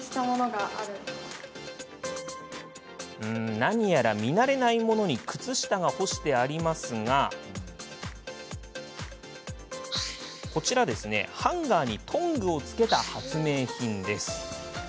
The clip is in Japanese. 何やら見慣れないものに靴下が干してありますがこちら、ハンガーにトングを付けた発明品です。